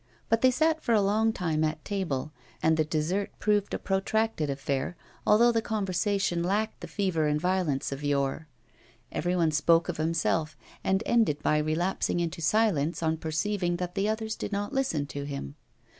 But they sat for a long time at table, and the dessert proved a protracted affair, although the conversation lacked the fever and violence of yore. Every one spoke of himself and ended by relapsing into silence on perceiving that the others did not listen to him.